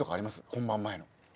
本番前の。